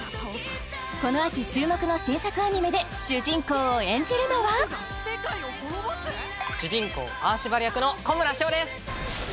この秋注目の新作アニメで主人公を演じるのは主人公パーシバル役の小村将です